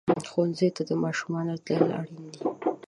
ښوونځي ته د ماشومانو تلل اړین دي.